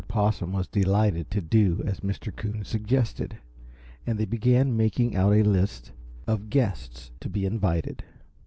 Possum was delighted to do as Mr. Coon suggested, and they began making out a list of guests to be invited.